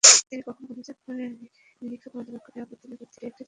তিনি তখনো বলেছেন, নিরীক্ষা পর্যবেক্ষণে আপত্তি নিষ্পত্তি হবে, এটি একটি চলমান প্রক্রিয়া।